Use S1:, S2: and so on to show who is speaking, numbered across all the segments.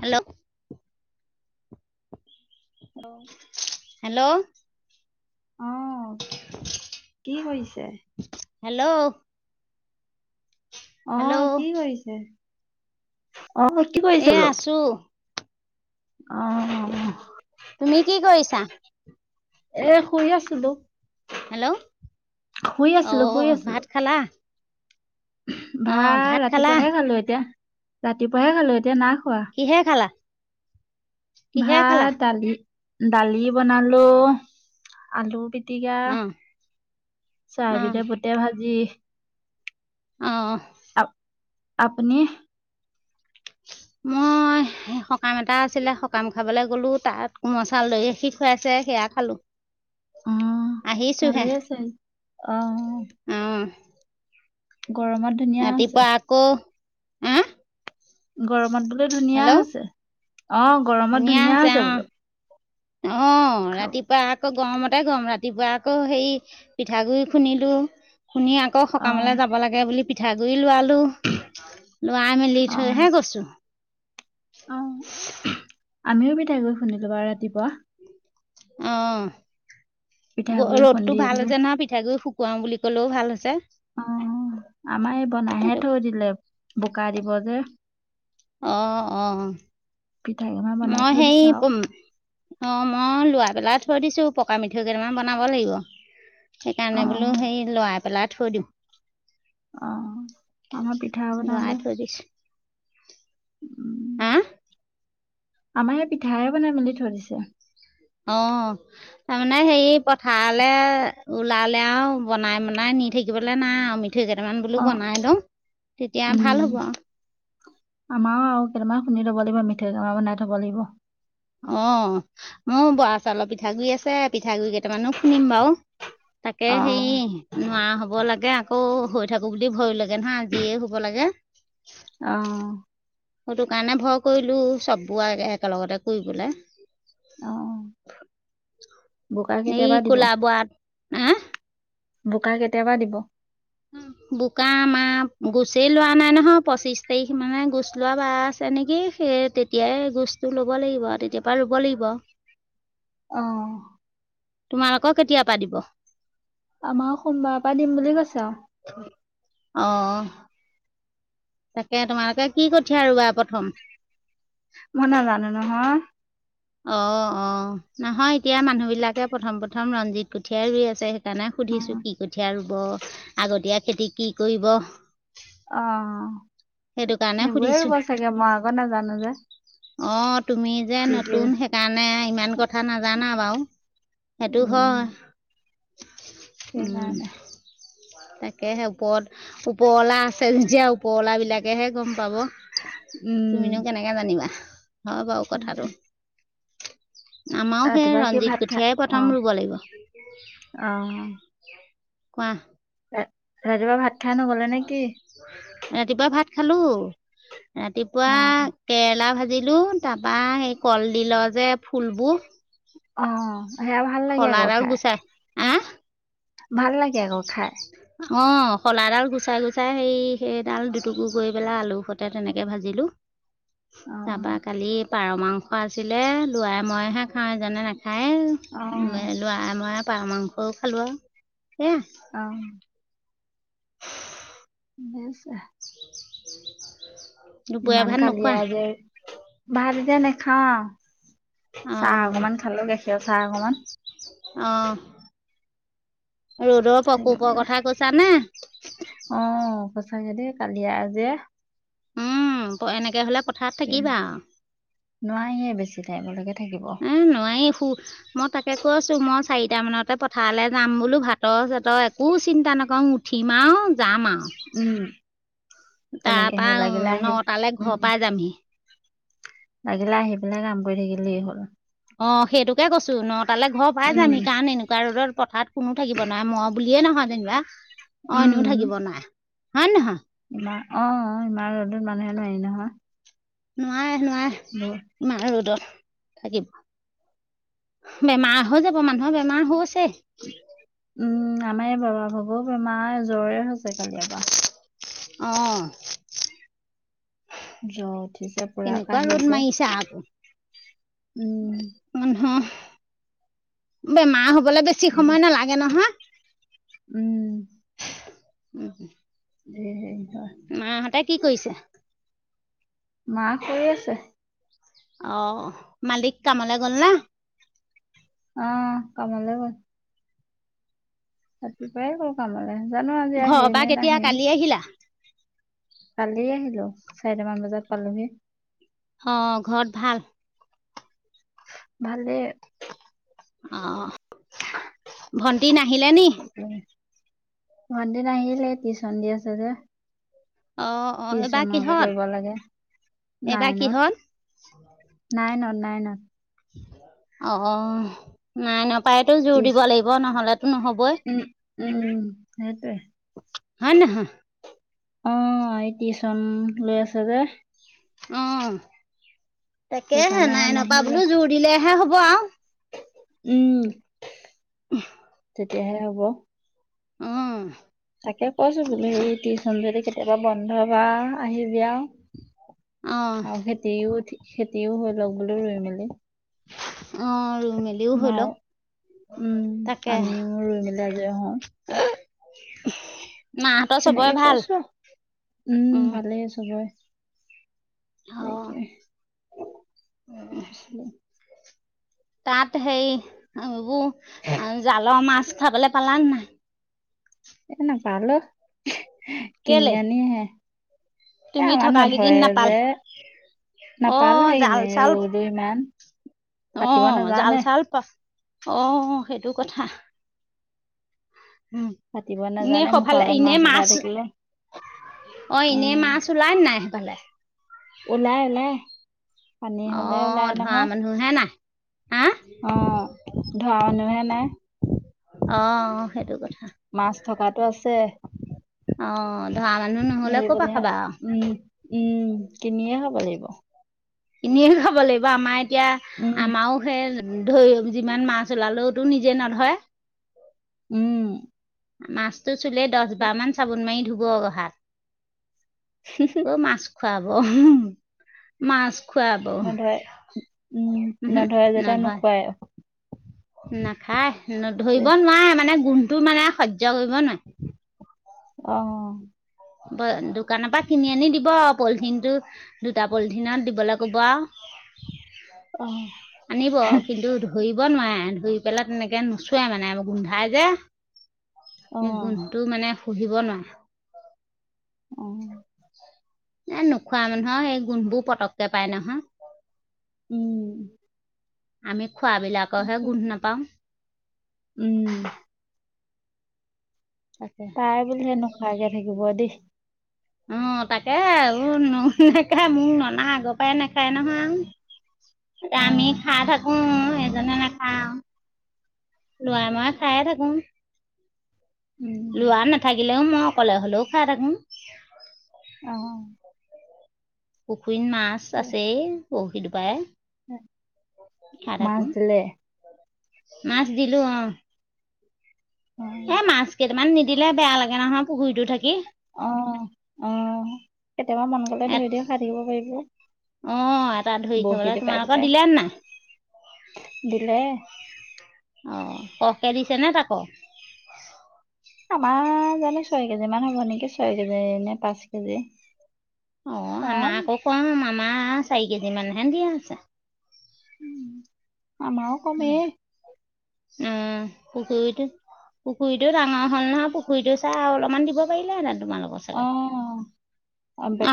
S1: Hello.
S2: অ
S1: hello.
S2: অহ কি কৰিছে।
S1: হেল্ল'।
S2: অ
S1: হেল্ল'
S2: কি কৰিছে। অ স কি
S1: এ
S2: কৰিছিলে।
S1: আছো
S2: অহ।
S1: তুমি কি কৰিছা।
S2: এ শুই আছিলো।
S1: হেল্ল'
S2: শুই
S1: অ
S2: আছিলো
S1: ভাত খালা। অ
S2: ভাল
S1: ভাত খালা
S2: ৰাতিপুৱাহে খালো এতিয়া ৰাতিপুৱাহে খালো এতিয়া নাক।
S1: কিহে খালা। কিহে খালা
S2: ভাত দালি দালি বনালো আলু পিটিকা।
S1: অ
S2: পিটিকা চাহ
S1: অ
S2: পিধে পোটে ভাজি।
S1: অ
S2: আ আপুনি।
S1: মই। সকাম এটা আছিলে সকাম খাবলৈ গলো তাত কোমল চাউল দৈ সি খুৱাইছে সেয়া খালো।
S2: অহ
S1: আহিছোহে
S2: ভালেই আছে অহ। হৈছে
S1: ৰাতিপা আকৌ ওহু।
S2: গৰমত বোলো ধুনীয়া হৈছে অ গৰমত ধুনীয়া হৈছে বোলো।
S1: অ
S2: খাব
S1: ৰাতিপুৱা আকৌ। গৰমতে গৰম ৰাতিপুৱা আকৌ সেই পিঠাগুৰি খুন্দিলো। শুনি আকৌ
S2: অ
S1: সকামলৈ যাব লাগে বুলি পিঠাগুৰি লোৱা। লোৱা ই মেলি
S2: অ
S1: থৈহে গৈছো।
S2: অ আমিও বিঠাই গৈ শুনিলো ব আৰু ৰাতিপুৱা।
S1: অ গ
S2: পিঠাগুৰি
S1: ৰ'দতটো ভাল
S2: খুন্দিলো
S1: যে না পিঠাগুডৰি শু। কুৱাওঁ বুলি ক'লেও ভাল হৈছে।
S2: অ আমাৰ এই বনাইহে
S1: সেইটো
S2: থৈ দিলে বোকা দিব যে।
S1: অহ অ।
S2: পিঠা কেইটামান বনাই
S1: মই
S2: থৈ
S1: সেই
S2: দিছে আৰু
S1: উম। অ মই লোৱাই পেলাই থৈ দিছো, পকা মিঠৈ কেইটামান বনাব লাগিব।
S2: অ
S1: সেইকাৰণে বোলো সেই লৰাই পেলাই থৈ দিওঁ।
S2: আহ, আমাৰ পিঠা স
S1: লৰাই
S2: বনালে।
S1: থৈ দিছোঁ
S2: উম
S1: হা
S2: আমাৰ ইয়াত পিঠাই বনাই মেলি থৈ দিছে।
S1: অ তাৰ মানে হেৰি পথাৰলৈ ওলালে আৰু বনাই বনাই নি থাকিব। লে নাই আৰু মিঠৈ কেইটামান
S2: অ
S1: বোলো বনাই লওঁ তেতিয়া ভাল হ'ব আৰু।
S2: আমাৰও আৰু কেইটামান খুন্দি লব লাগিব মিঠৈ কেইটামান বনাই থব লাগিব।
S1: অ মোৰ বৰা চাউলৰ পিঠাগুৰি আছে। পিঠাগুৰি কেইটামানো খুন্দিম বাৰু তাকে
S2: অ
S1: হেৰি নোৱাৰা হ'ব লাগে আকৌ। অ হৈ থাকো বুলি ভৈয়ো লাগে নহয় আজিয়ে হব লাগে।
S2: অহ।
S1: সেইটো কাৰণে ভয় কৰিলো চব বোৱা একে একেলগতে কৰিবলে।
S2: অহ। বোকা
S1: এই
S2: কেতিয়াবা দিব,
S1: ক'লা বৰাত হা
S2: বোকা কেতিয়াবা দিব?
S1: বোকা আমাৰ গুছেই লোৱা নাই নহয়, পঁচিশ তাৰিখ মানে গোচ লোৱা বাৰ আছে। তেনেকেই সেই তেতিয়াই গোছটো ল'ব লাগিব, তেতিয়া পৰা ৰুব লাগিব।
S2: আহ।
S1: তোমালোকৰ কেতিয়াৰ পৰা দিব
S2: আমাৰ সোমবাৰৰ পৰা দিম বুলি কৈছে। আৰু
S1: অহ। তাকে তোমালোকে কি কঠীয়া ৰুৱা প্ৰথম?
S2: মই নাজানো নহয়।
S1: অ অ নহয় এতিয়া মানুহ বিলাকে প্ৰথম প্ৰথম ৰঞ্জিত কঠিয়াই ৰুই আছে সে কাৰনে
S2: অ
S1: সুধিছো কি কঠীয়া ৰুব, আগতীয়া খেতি কি কৰিব?
S2: অ
S1: সেইটো কাৰণে
S2: সেইবোৰে
S1: সুধিছোঁ
S2: ৰুব চাগে মই আক নাজানো যে।
S1: অ তুমি যে
S2: কি কি
S1: নতুন সেইকাৰণে ইমান কথা নাজানা বাৰু। সেইটো হয়।
S2: সেইকাৰানে।
S1: তাকে সেই ওপৰত, ওপৰৱালা আছে নিজীয়া ওপৰৱালা বিলাক তাকেহে গম পাব, তুমিনো
S2: উম
S1: কেনেকে জানিবা হয় বাৰু
S2: সেইটোৱে।
S1: কথাটো। আমাৰো সেই
S2: ৰাতিপুৱা কি
S1: ৰঞ্জিত কোঠিয়াই প্ৰথম ৰুব লাগিব।
S2: আহ।
S1: কোৱা?
S2: ৰাত ৰাতিপুৱা ভাত খাই নগলে নে কি?
S1: ৰাতিপুৱা ভাত খালো, ৰাতিপুৱা
S2: অ
S1: কেৰেলা ভাজিলো তাৰপা এই কলডিলৰ যে ফুলবো
S2: অ সেয়া ভাল লাগে আকৌ খাই।
S1: গুচাই আহ
S2: ভাল লাগে আকৌ খাই।
S1: অঁ শলাডাল গুচাই গুচাই সেই সেইডাল দুটুকু কৰি পেলাই আলু সতে তেনেকে ভাজিলোঁ।
S2: অ
S1: তাৰাপা কালি পাৰ মাংস আছিলে লোৱাই মইহে খাওঁ জানে নাই? খায়ে,
S2: অ
S1: লৰাই মই পাৰ মাংসও খালোঁ আৰু। সেয়া
S2: অ। [unintelligible]
S1: দুপৰীয়া
S2: ইমান
S1: ভাত নোখোৱা
S2: কালিয়া যে, ভাত এতিয়া নাখাওঁ।
S1: অ
S2: চাহ অকমান খালো, গাখীৰৰ চাহ অকমান।
S1: আহ। ৰ'দৰ
S2: সেইটো
S1: প্ৰকোপৰ
S2: কাৰণে।
S1: কথা কৈছা নে?
S2: অ সঁচাকে দেই কালি আহ যে
S1: উম, এনেকে হ'লে পথাৰত থাকিবা
S2: নোৱাৰিয়েই বেছি টাইমৰ লৈকে
S1: এ নোৱাৰি সু মই তাকে কৈছ তো মই চাৰিটামানতে পথাৰলৈ যাম বোলো। ভাতৰ-চাতৰ একো চিন্তা নকৰোঁ। উঠিম আও, যাম
S2: উম
S1: আও।
S2: তেনেকে
S1: তাৰপৰা
S2: সেই লাগিলে আহি
S1: নটালৈ
S2: উম
S1: ঘৰৰ পাই যামহি।
S2: লাগিলে আহি পেলাই কাম কৰি থাকিলেই হ'ল।
S1: অ' সেইটোকে কৈছোঁ। নটালৈ ঘৰ পাই
S2: উম
S1: যামহি। কাৰণ এনেকুৱা ৰ'দত পথাৰত কোনো থাকিব নোৱাৰে। মই বুলিয়ে নহয় যেনিবা, অ
S2: উম
S1: এনেও থাকিব নোৱাৰে হয় নে নহয়?
S2: ইমান অ ইমান ৰ'দত মানুহেনো আহি নহয়।
S1: নোৱাৰে নোৱাৰে
S2: বহুত
S1: ইমান ৰ'দত। থাকিব, বেমাৰ হৈ যাব মানুহৰ বেমাৰ হৈছে।
S2: উম আমাৰ এই বৰমা ভাগৰ বেমাৰ জ্বৰে হৈছে কালিয়ৰপৰা।
S1: অহ
S2: জ্বৰ উঠিছে পুৰা
S1: কেনেকুৱা ৰ'দ
S2: কাহিছে
S1: মাৰিছে আৰু
S2: উম
S1: মানহৰ- বেমাৰ হ' বোলে বেছি সময় নালাগে নহয়।
S2: উম।
S1: উম।
S2: [unintelligible]
S1: মাহঁতে কি কৰিছে?
S2: মা শুই আছে।
S1: অ' মালিক কামলে গ'ল না?
S2: অ' কামলে গ'ল। ৰাতিপুৱাই গ'ল কামলৈ। জানো, আজি
S1: ঘৰৰ
S2: আহি
S1: পৰা
S2: নে
S1: কেতিয়া
S2: নাহেই?
S1: কালি আহিলা
S2: কালি আহিলোঁ। চাৰিটামান বজাত পালোহি।
S1: অ', ঘৰত ভাল?
S2: ভালে।
S1: অ', ভন্টি নাহিলে নি?
S2: ভণ্টি নাহিলে। টিউচন দি আছে যে।
S1: অ অ এইবাৰ
S2: টিউচন আকৌ
S1: কিহত
S2: কৰিব লাগে,
S1: এইবাৰ কিহত
S2: নাইনত। নাইনত - নাইনত।
S1: অ', নাইনৰ পৰাই তো জোৰ
S2: টিউচ
S1: দিব লাগিব। নহলেতো নহবঐ।
S2: উম - উম, সেইটোৱে।
S1: ন
S2: অ', এই টিউচন লৈ আছে যে।
S1: অ' তাকেহে,
S2: সেইকাৰণে
S1: নাইনৰ পৰা
S2: নাহিলে
S1: বোলো জোৰ দিলেহে হ'ব আও।
S2: উম।
S1: উমম-
S2: তেতিয়াহে হ'ব।
S1: উম।
S2: তাকে কৈছোঁ বোলো, হেৰি টিউচনৰ যদি কেতিয়াবা বন্ধ পা, আহিবি আও।
S1: অ',
S2: আৰু খেতিও ঠি- খেতিও হৈ লওঁক বোলো ৰুই মেলি।
S1: অ' মেলিও হৈ
S2: মাও
S1: লওঁক।
S2: উম
S1: তাকে।
S2: আমিও ৰুই মেলি আজৰি হওঁ
S1: মাহঁতৰ
S2: তেনেকে
S1: সবৰে ভাল।
S2: কৈছো
S1: উম।
S2: ভালেই চবৰে
S1: অ',
S2: [unintelligible] আ [unintelligible]
S1: তাত সেই- এইবোৰ জালোৱা মাছ খাবলৈ পালান নাই?
S2: এ নাপালোঁ। কিনি
S1: কেলে
S2: আনি হে।
S1: তুমি থকা কেইদিন নাপাল
S2: নাপালে
S1: অ'
S2: সেইখিনি
S1: জাল-চাল,
S2: ৰৌলো ইমান পাতিব
S1: অ'-
S2: নাজানে
S1: জাল-চাল পা অ' সেইটো কথা। উম
S2: পাতিব
S1: এনে
S2: নাজানে মুখৰ
S1: সৌফালে
S2: আগত
S1: এনে
S2: ওলাই
S1: মাছ
S2: থাকিলে
S1: অ এনেই
S2: উম
S1: মাছ ওলাই নাই সেইফালে
S2: ওলাই ওলাই পানী
S1: অ
S2: হলে ওলাই
S1: ধৰা
S2: নহয়
S1: মানুহহে নাই হা
S2: অ ধৰা মানুহে নাই
S1: অ সেইটো কথা
S2: ধপাতো আছে।
S1: অ' ধৰা মানুহ নহ'লে, ক'ৰ পৰা
S2: ধৰিবলেহে
S1: খাবা?
S2: উম উম, কিনিয়ে খাব লাগিব।
S1: কিনি খাব লাগিব। আমাৰ এতিয়া,
S2: উম
S1: আমাৰো সে ধৰি যিমান মাছ ওলালোওতো নিজে নধৰে
S2: উম।
S1: মাছটো চুলে দছবাৰমান চাবোন মাৰি ধুব হাত। ক' মাছ খুৱাব? মাছ খুৱাব
S2: নধৰে উম
S1: উমহো
S2: নধৰে যেতিয়া
S1: নহয়
S2: নোখোৱাই
S1: নাখায় ধৰিব নোৱাৰে মানে গোন্ধটো মানে সহ্য কৰিব নোৱাৰে
S2: অহ
S1: দোকানৰ পৰা কিনি আনি দিব আও পলিথিন টো দুটা পলিথিনত দিবলৈ কব আও
S2: অ
S1: আনিব কিন্তু ধৰিব নোৱাৰে এ ধৰি পেলাই তেনেকে নোচোৱাই মানে আ গোন্ধাই যে
S2: অ
S1: সেই গোন্ধটো মানে পুহিব নোৱাৰে
S2: অ
S1: এ নোখোৱা মানুহৰ এই গোন্ধবোৰ পতককে পাই নহয়
S2: উম
S1: আমি খোৱাবিলাকৰহে গোন্ধ নাপাওঁ
S2: উম
S1: তাকে
S2: পাই বোলিহে নোখোৱাকে থাকিব দেই
S1: অ তাকে আৰু ন নেখায় মোক ননা আগৰ পৰাই নাখায় নহয়
S2: [unintelligible]
S1: এ আমি খাই থাকো এজনে নাখাওঁ নোৱাই মই খায়ে থাকো
S2: উম,
S1: লোৱা নাথাকিলেও মই অকলে হ'লেও খাই থাকো
S2: অহ
S1: পুখুৰীত মাছ আছেই বৰশী টোপাই খাই
S2: মাছ
S1: থাকো
S2: দিলে।
S1: মাছ দিলো অ এ
S2: অ,
S1: মাছ কেইটামান নিদিলে বেয়া লাগে নহয় পুখুৰীতো থাকি
S2: অহ অহ কেতিয়াবা মন গলে ধৰি ধৰি খাই থাকিব পাৰিব
S1: অ এটা ধৰি
S2: বৰশী
S1: খাবলৈ
S2: টোপাই
S1: তোমালোকৰ
S2: টোপাই
S1: দিলে নাই
S2: দিলে
S1: অ কমকে দিছে নে তাক
S2: আমাৰ জানো ছয় কেজি মান হ'ব নেকি ছয় কেজি নে পাঁচ কেজি
S1: অ আমাক
S2: কম।
S1: আকৌ কম আমাৰ চাৰি কেজি মানহে দিয়া আছে
S2: উম আমাৰও কমেই
S1: উম পুখুৰী টো পুখুৰীতো ডাঙৰ হ'ল নহয় পুখুৰীতটো চাই আৰু অলপমান দিব পাৰিলোহেতেন তোমাৰ লগৰ
S2: অ,
S1: চাগে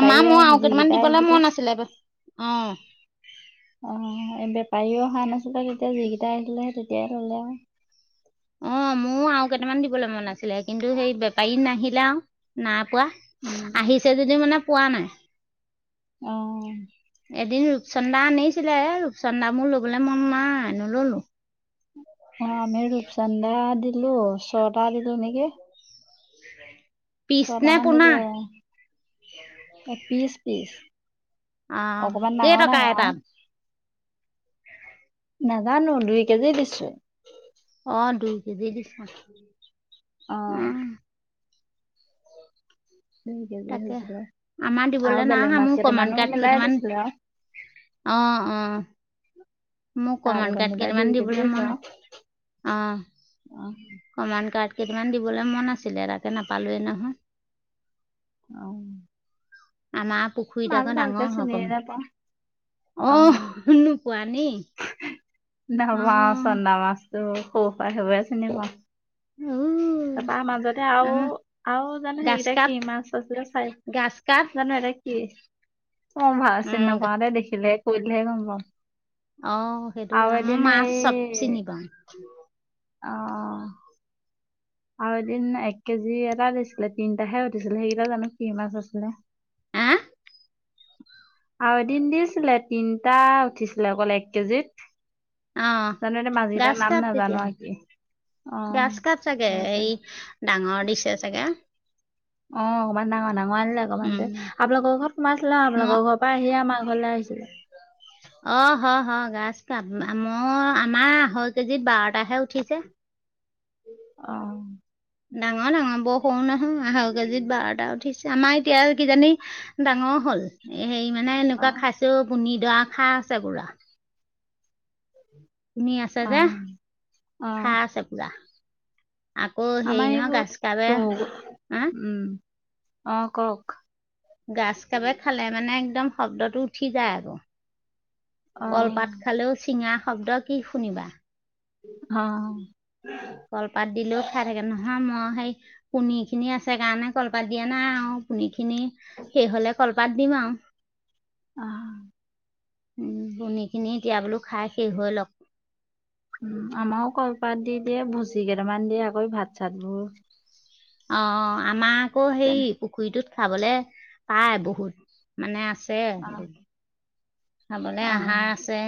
S1: আমাৰ মই আৰু কেইটামান
S2: যিকেইটা
S1: দিবলৈ
S2: আহিছিলে
S1: মন আছিলে অহ
S2: অহ এই বেপাৰীও অহা নাছিলে তেতিয়া যিকেইটা আহলে তেতিয়াই আহিলে অহ
S1: অ মোৰ আৰু কেইটামান দিবলৈ মন আছিলে কিন্তু সেই বেপাৰী নাহিলে আও নাই পোৱা
S2: উম,
S1: আহিছে যদি মানে পোৱা নাই
S2: অ
S1: এদিন ৰূপচন্দা আনিছিলে ৰূপচন্দা মোৰ ল'বলৈ মন নাই নল'লো
S2: অ আমি ৰূপচন্দা দিলো ছটা দিলো নেকি
S1: [inaudible] নে
S2: ছয়টামান
S1: পোনা
S2: দিলো এ পিচ পিচ
S1: আহ
S2: অকমান
S1: কেই
S2: ডাঙৰ
S1: টকা
S2: ডাঙৰ আও
S1: এটাত
S2: নাজানো দুই কেজি দিছো
S1: অ দুইকেজি দিছা
S2: অহ
S1: উম
S2: দুই কেজি
S1: তাকে
S2: হৈছিলে
S1: আমাৰ
S2: আৰু
S1: দিবলৈ
S2: বেলেগ
S1: নাহা
S2: মাছ
S1: মোৰ কমন
S2: কেইটামানো
S1: কাৰ্প
S2: মিলাই
S1: কেইটামান
S2: দিছিলে আৰু
S1: অ অ মোক
S2: তাৰ
S1: কমানমান
S2: লগত
S1: কাৰ্প
S2: মিলাই
S1: কেইটামান
S2: দুই কেজি
S1: দিবলৈ
S2: হৈছে
S1: মন
S2: আৰু
S1: অহ
S2: অ
S1: কমান কাট কেইটামান দিবলৈ মন আছিলে তাকে নাপালোৱেই নহয়
S2: অ
S1: আমাৰ পুখুৰীত
S2: মাছ
S1: আক
S2: ভালকে
S1: ডাঙৰ হয়
S2: চিনিয়ে
S1: কমন
S2: নাপাওঁ
S1: অ শুনো পোৱা নি [unintelligible] অ
S2: মাছ চন্দা মাছতো সৰু হয়াই সবাই চনেমা [unintelligible]
S1: উ
S2: তাৰপা মাজতে আৰু
S1: আমাৰ
S2: আৰু জানো
S1: গাছ
S2: সেৰিকেইটা
S1: কাপ
S2: কি মাছ চাছ চাই
S1: গাছ কাপ
S2: জানো এটা কি অ ভাল চিনি
S1: উম
S2: নাপাওঁ দে দেখিলেহে কৰিলেহে গম পাাম
S1: আহ সেইটো কাৰণে মই মাছ চব
S2: সেই
S1: চিনি পাওঁ
S2: অ আৰু এদিন এক কেজি এটা দিছিলে তিনটাহে উঠিছিলে সেইকেইটা জানো কি মাছ আছিলে
S1: হা
S2: আৰু এদিন দিছিলে তিনটা উঠিছিলে অকল এক কেজিত
S1: অ
S2: জানো এতিয়া মাজ কটাৰ
S1: গ্ৰাছ
S2: নাম
S1: কাপ তেতিয়া
S2: নাজানো আৰু কি অ
S1: গ্ৰাছ কাপ চাগে সেই ডাঙৰ দিছে চাগে
S2: অ অকনমান ডাঙৰ ডাঙৰ আনিলে অকণমানো
S1: উম
S2: আপোনালোকৰ ঘৰত মাছ লওঁ
S1: মই
S2: আপোনালোকৰ ঘৰ পৰা আহিে আমাৰ ঘৰলৈ আহিছিলে
S1: অ হয় গছ পাব মই আমাৰ আঢ়ৈ কেজি বাৰ তাহে উঠিছে
S2: অ
S1: ডাঙৰ ডাঙৰ বৰ সৰু নহয় আঢ়ৈ কেজিত বাৰটা উঠিছে আমাৰ এতিয়া কিজানি ডাঙৰ হ'ল হেৰি মানে
S2: অ
S1: এনেকুৱা খাইছেও বুনি দ খা আছে গুঢ়া তুনি আছে
S2: অ
S1: যে
S2: অ
S1: খা আছে পুৰা [unintelligible] আকৌ হেৰি
S2: আমাৰ
S1: নহয় গাছ কাপে
S2: এইবোৰ
S1: হা
S2: উম অ কওক
S1: গছ কাপে খালে মানে একদম শব্দটো উঠি যায় আৰু
S2: অ
S1: কলপাত খালেও চিঙা শব্দ কি শুনিবা
S2: অ
S1: কলপাত দিলেও খাই থাকে নহয় মই সেই পনী খিনি আছে কাৰণে কলপাত দিয়া নাই আৰু পনী খিনি সেই হলে কলপাত দিম আৰু
S2: আহ
S1: উ বনিখিনি এতিয়া বোলো খাই শেষ হৈ লওক
S2: পাত দি দিয়ে ভুচি কেইটামান দিয়ে আকৌ ভাত চাত বোৰ
S1: অ আমাৰ আকৌ হে পুখুৰীটোত খাবলে পায় বহুত মানে আছে
S2: অ',
S1: আছে খাবলৈ
S2: অ'।
S1: আহাৰ আছে